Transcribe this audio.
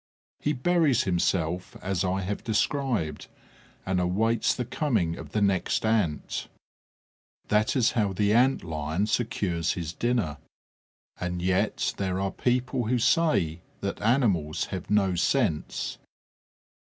He buries himself as I have described and awaits the coming of the next Ant. That is how the Ant lion secures his dinner. And yet there are people who say that animals have no sense!